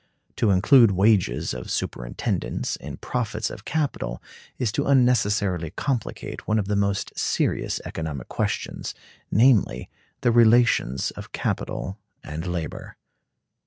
To include "wages of superintendence" in profits of capital is to unnecessarily complicate one of the most serious economic questions—namely, the relations of capital and labor.